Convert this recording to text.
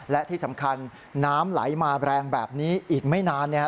และที่สำคัญน้ำไหลมาแรงแบบนี้อีกไม่นานเนี่ย